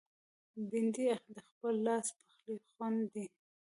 بېنډۍ د خپل لاس پخلي خوند دی